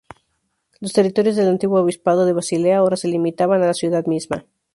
Los territorios del antiguo obispado de Basilea ahora se limitaban a la ciudad misma.